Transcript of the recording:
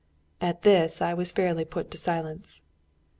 At this I was fairly put to silence.